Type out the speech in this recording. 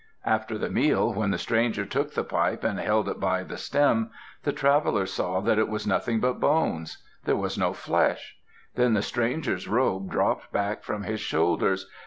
After the meal, when the stranger took the pipe and held it by the stem, the traveler saw that it was nothing but bones. There was no flesh. Then the stranger's robe dropped back from his shoulders.